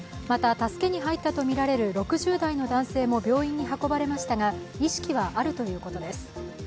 また、助けに入ったとみられる６０代の男性も病院に運ばれましたが、意識はあるということです。